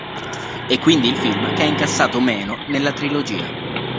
È quindi il film che ha incassato meno nella trilogia.